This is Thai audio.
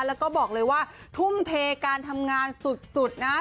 แล้วก็บอกเลยว่าทุ่มเทการทำงานสุดนะ